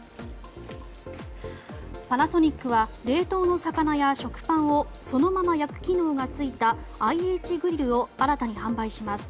パナソニックは冷凍の魚や食パンをそのまま焼く機能が付いたＩＨグリルを新たに販売します。